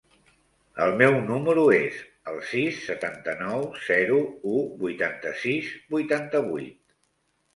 El meu número es el sis, setanta-nou, zero, u, vuitanta-sis, vuitanta-vuit.